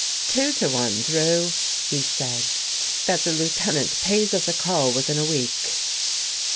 " Two to one. Drew," he said, " that the Lieu tenant pays us a call within a week."